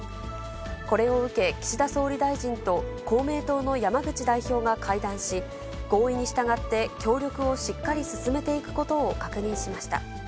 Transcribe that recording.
これを受け、岸田総理大臣と公明党の山口代表が会談し、合意に従って協力をしっかり進めていくことを確認しました。